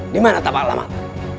dimana tapak alamat